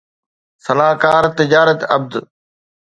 صلاحڪار تجارت عبد